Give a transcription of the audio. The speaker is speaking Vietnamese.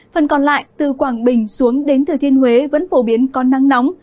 phần còn lại từ quảng bình xuống đến thừa thiên huế vẫn phổ biến có nắng nóng